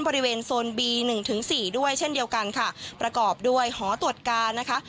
บริเวณโซนบีหนึ่งถึงสี่ด้วยเช่นเดียวกันค่ะประกอบด้วยหอตรวจการนะคะ